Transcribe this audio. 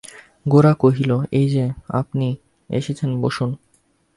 গোরা কহিল, এই-যে, আপনি এসেছেন–বসুন।